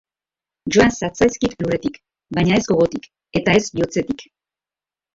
Joan zatzaizkit lurretik, baina ez gogotik, eta ez bihotzetik.